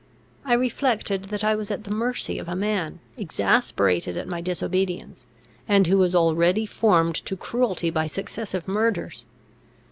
I reflected that I was at the mercy of a man, exasperated at my disobedience, and who was already formed to cruelty by successive murders.